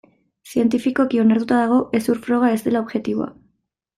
Zientifikoki onartuta dago hezur froga ez dela objektiboa.